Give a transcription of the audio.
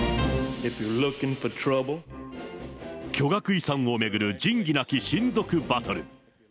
巨額遺産を巡る仁義なき親族バトル。